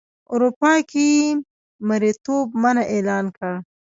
اروپا کې یې مریتوب منع اعلان کړ.